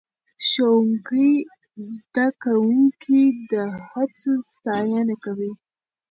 ښوونکی زده کوونکي د هڅو ستاینه کوي